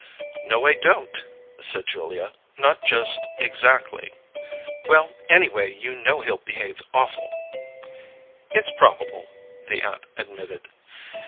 "No, I don't," said Julia. "Not just exactly." "Well, anyway, you know he'll behave awful." "It's probable," the aunt admitted.